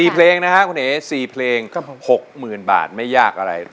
๔เพลงนะครับคุณเอ๋๔เพลง๖๐๐๐บาทไม่ยากอะไร